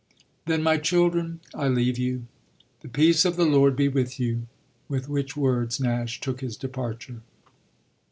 "Then, my children, I leave you the peace of the Lord be with you." With which words Nash took his departure.